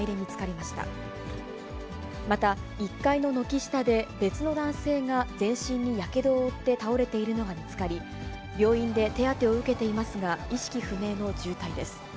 また、１階の軒下で別の男性が全身にやけどを負って倒れているのが見つかり、病院で手当てを受けていますが、意識不明の重体です。